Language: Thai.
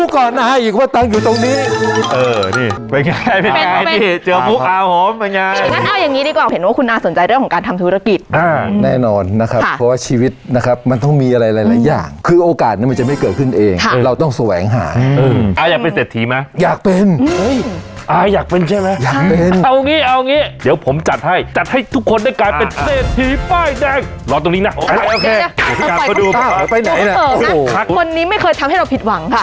คนสุขภาพก็ไม่แข็งแรงแข็งแรงนะฮะสองจิตใจก็แปรปวน